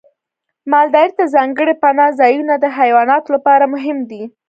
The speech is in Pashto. مالدارۍ ته ځانګړي پناه ځایونه د حیواناتو لپاره مهم دي.